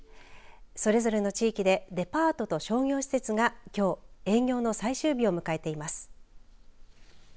それぞれの地域でデパートと商業施設がきょう営業の最終日を迎えています。